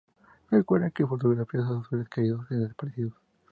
Recuerdan con fotografías a sus seres queridos, desaparecidos.